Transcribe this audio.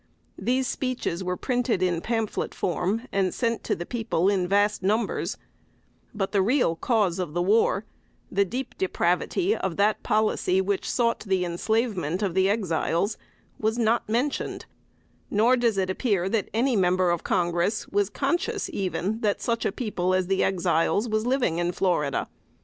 These speeches were printed in pamphlet form, and sent to the people in vast numbers: but the real cause of the war, the deep depravity of that policy which sought the enslavement of the Exiles, was not mentioned; nor does it appear that any member of Congress was conscious, even, that such a people as the Exiles was living in Florida.